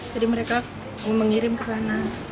jadi mereka mengirim ke sana